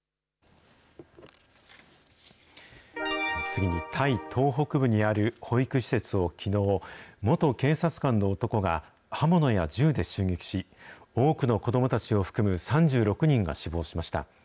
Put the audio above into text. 次に、タイ東北部にある保育施設をきのう、元警察官の男が刃物や銃で襲撃し、多くの子どもたちを含む３６人が死亡しました。